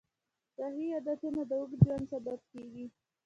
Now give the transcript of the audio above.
صحي عادتونه د اوږد ژوند سبب کېږي.